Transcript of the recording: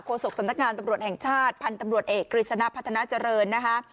ศกสำนักงานตำรวจแห่งชาติพันธุ์ตำรวจเอกกฤษณะพัฒนาเจริญนะคะ